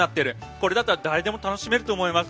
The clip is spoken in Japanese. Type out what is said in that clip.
これだったら誰でも楽しめると思います。